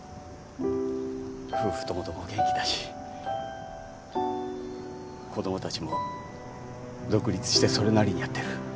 夫婦ともども元気だし子供たちも独立してそれなりにやってる。